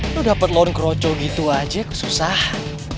lu dapet loan keroco gitu aja kesusahan